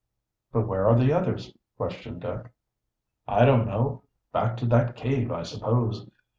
"But where are the others?" questioned Dick. "I don't know back to that cave, I suppose.